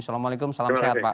assalamualaikum salam sehat pak